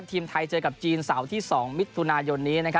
ทีมไทยเจอกับจีนเสาร์ที่๒มิถุนายนนี้